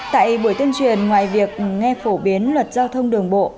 tại buổi tuyên truyền ngoài việc nghe phổ biến luật giao thông đường bộ